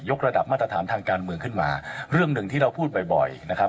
กระดับมาตรฐานทางการเมืองขึ้นมาเรื่องหนึ่งที่เราพูดบ่อยบ่อยนะครับ